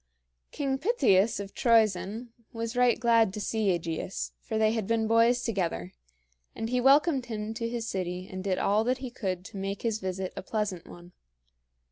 King Pittheus of Troezen was right glad to see AEgeus, for they had been boys together, and he welcomed him to his city and did all that he could to make his visit a pleasant one.